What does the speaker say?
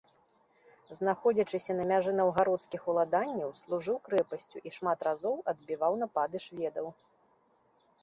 Знаходзячыся на мяжы наўгародскіх уладанняў, служыў крэпасцю і шмат разоў адбіваў напады шведаў.